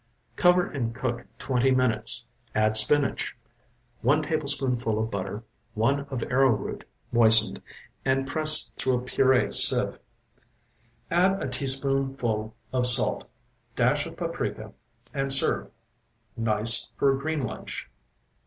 Cover and cook twenty minutes. Add spinach, one tablespoonful of butter, one of arrow root, moistened, and press through a purée sieve. Add a teaspoonful of salt, dash of paprica, and serve. Nice for green lunch.